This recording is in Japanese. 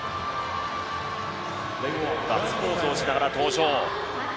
ガッツポーズをしながら登場。